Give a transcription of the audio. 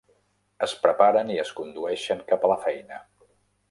Es preparen i es condueixen cap a la feina.